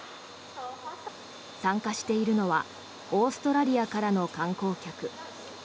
参加しているのはオーストラリアからの観光客。